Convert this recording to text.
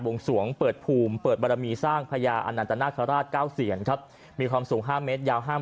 วงสวงเปิดภูมิเปิดบารมีสร้างพญาอนันตนาคาราชเก้าเซียนครับมีความสูง๕เมตรยาวห้าม